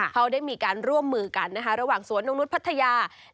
เขาได้มีการร่วมมือกันนะคะระหว่างสวนนกนุษย์พัทยา